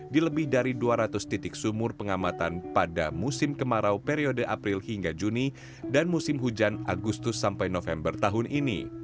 di lebih dari dua ratus titik sumur pengamatan pada musim kemarau periode april hingga juni dan musim hujan agustus sampai november tahun ini